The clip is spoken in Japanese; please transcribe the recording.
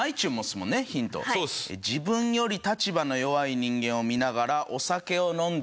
自分より立場の弱い人間を見ながらお酒を飲んでいたい。